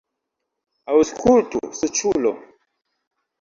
Aŭskultu, suĉulo!